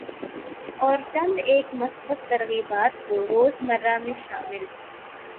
اور چند ایک مثبت ترغیبات کو روزمرہ میں شامل